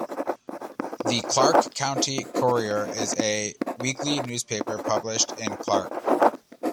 The "Clark County Courier" is a weekly newspaper published in Clark.